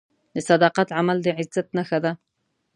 د صداقت عمل د عزت نښه ده.